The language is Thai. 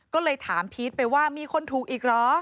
ก็เลยถามพีชไปว่ามีคนถูกอีกเหรอ